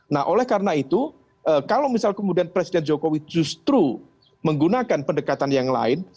nah oleh karena itu kalau misal kemudian presiden jokowi justru menggunakan pendekatan yang lain